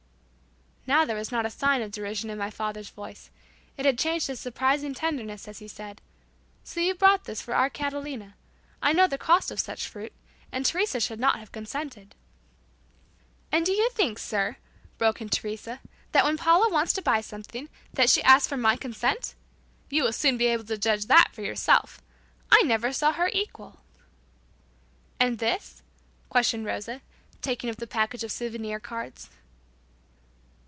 Now there was not a sign of derision in my father's voice. It had changed to a surprising tenderness as he said, "So you bought this for our Catalina? I know the cost of such fruit, and Teresa should not have consented." "And do you think, sir," broke in Teresa, "that when Paula wants to buy something, that she asks for my consent? You will soon be able to judge that for yourself. I never saw her equal." "And this?" questioned Rosa, taking up the package of souvenir cards.